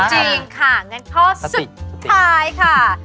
จริงค่ะงั้นข้อสุดท้ายค่ะ